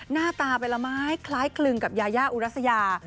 หน้าตาเป็นละไม้คล้ายคลึงกับยายาอุรัสยา